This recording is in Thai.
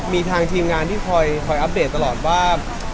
มีทางทีมงานที่คอยอัปเดตตลอดว่า